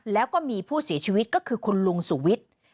แล้วก็มีผู้เสียชีวิตก็คือคุณลุงสุวิทย์